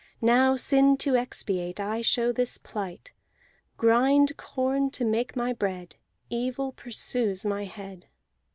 Now, sin to expiate, I show this plight: Grind corn to make my bread. Evil pursues my head."